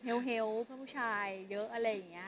เฮ็วผู้ชายเยอะอะไรอย่างเงี้ย